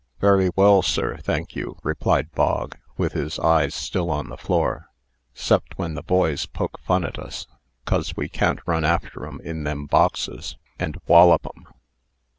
"Very well, sir, thank you," replied Bog, with his eyes still on the floor, "'cept when the boys poke fun at us; 'cos we can't run after 'em in them boxes, and wollop 'em.